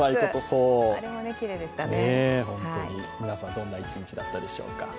皆さん、どんな一日だったでしょうか。